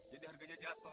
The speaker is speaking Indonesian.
jadi harganya jatuh